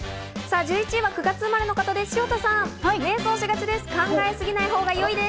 １１位は９月生まれの方、潮田さんです。